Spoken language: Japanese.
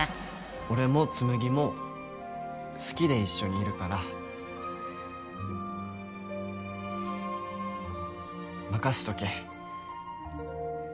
「俺も紬も好きで一緒にいるから」「任せとけ」